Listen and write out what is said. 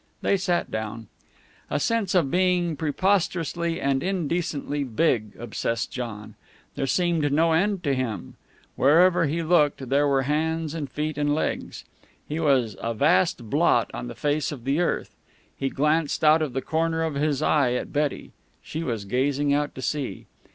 They sat down. A sense of being preposterously and indecently big obsessed John. There seemed no end to him. Wherever he looked, there were hands and feet and legs. He was a vast blot on the face of the earth. He glanced out of the corner of his eye at Betty. She was gazing out to sea.